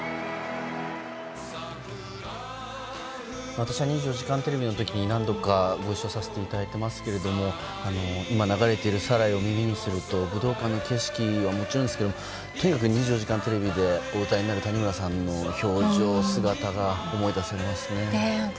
私は「２４時間テレビ」の時に何度かご一緒させていただいていますけれども今、流れている「サライ」を耳にすると武道館の景色はもちろんですがとにかく「２４時間テレビ」でお歌になる谷村さんの表情、姿が思い出されますね。